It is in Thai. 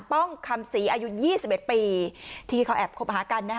ป้องคำศรีอายุยี่สิบเอ็ดปีที่เขาแอบคบอาหากันนะคะ